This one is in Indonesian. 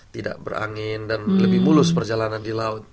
tidak berangin dan lebih mulus perjalanan di laut